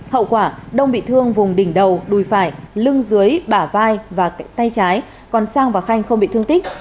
hậu quả đông bị thương vùng đỉnh đầu đùi phải lưng dưới bả vai và tay trái còn sang và khanh không bị thương tích